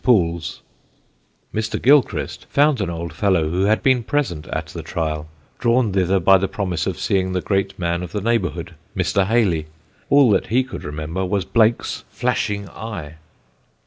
[Sidenote: BLAKE'S FLASHING EYE] Mr. Gilchrist found an old fellow who had been present at the trial, drawn thither by the promise of seeing the great man of the neighbourhood, Mr. Hayley. All that he could remember was Blake's flashing eye.